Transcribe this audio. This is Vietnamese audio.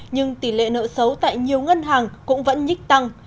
nhưng tỷ lệ nợ xấu tại nhiều ngân hàng cũng vẫn nhích tăng